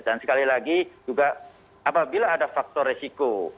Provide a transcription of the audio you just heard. dan sekali lagi juga apabila ada faktor resiko